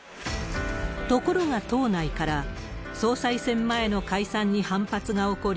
ところが党内から、総裁選前の解散に反発が起こり、